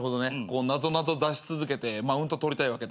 なぞなぞ出し続けてマウントとりたいわけだ。